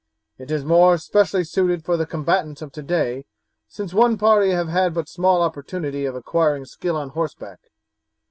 It is more specially suited for the combatants of today, since one party have had but small opportunity of acquiring skill on horseback.